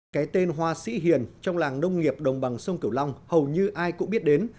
cái tên hoa sĩ hiền trong làng nông nghiệp đồng bằng sông kiểu long hầu như ai cũng biết đến